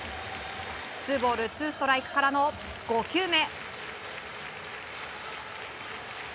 ツーボールツーストライクからの５球目。